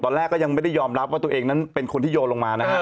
ตอนแรกก็ยังไม่ได้ยอมรับว่าตัวเองนั้นเป็นคนที่โยนลงมานะฮะ